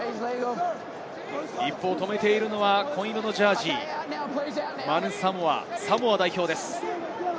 一方、止めているのは紺色のジャージー、マヌ・サモア、サモア代表です。